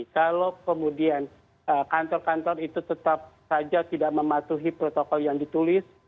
kalau kemudian kantor kantor itu tetap saja tidak mematuhi protokol yang ditulis